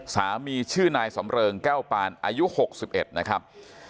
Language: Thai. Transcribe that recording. สามีชื่อนายสำเริงแก้วปานอายุ๖๑นะครับ